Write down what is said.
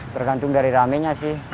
bergantung dari rame nya sih